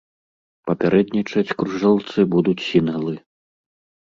Папярэднічаць кружэлцы будуць сінглы.